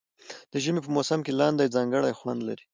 د ژمي په موسم کې لاندی ځانګړی خوند لري.